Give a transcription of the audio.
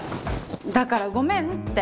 だからごめんって。